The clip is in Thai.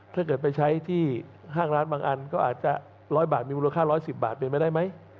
ถ้าเกิดไปใช้ที่ห้างร้านบางอันก็อาจจะ๑๐๐บาทมีมูลค่า๑๑๐บาทเป็นไปได้ไหม